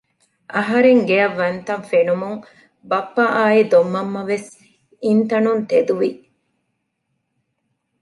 އަހަރެން ގެއަށް ވަތްތަން ފެނުމުން ބައްޕަ އާއި ދޮންމަންމަވެސް އިންތަނުން ތެދުވި